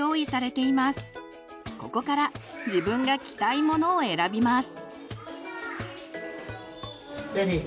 ここから自分が着たいものを選びます。